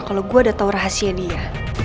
kalau gue udah tau rahasia dia